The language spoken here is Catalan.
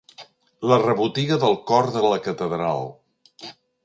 La rebotiga del cor de la catedral.